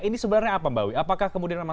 ini sebenarnya apa mbawi apakah kemudian